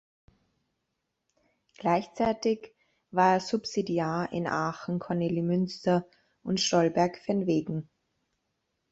Gleichzeitig war er Subsidiar in Aachen-Kornelimünster und Stolberg-Venwegen.